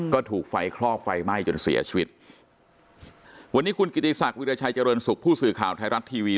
ก็ถูกไฟคลอกไฟไหม้จนเสียชีวิตวันนี้คุณกิติศักดิราชัยเจริญสุขผู้สื่อข่าวไทยรัฐทีวี